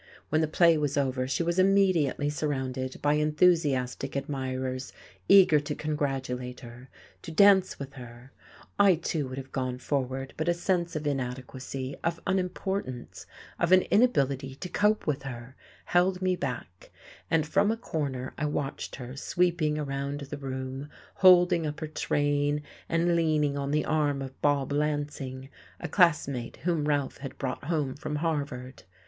When the play was over she was immediately surrounded by enthusiastic admirers eager to congratulate her, to dance with her. I too would have gone forward, but a sense of inadequacy, of unimportance, of an inability to cope with her, held me back, and from a corner I watched her sweeping around the room, holding up her train, and leaning on the arm of Bob Lansing, a classmate whom Ralph had brought home from Harvard.